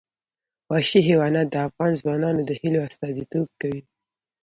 وحشي حیوانات د افغان ځوانانو د هیلو استازیتوب کوي.